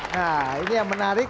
nah ini yang menarik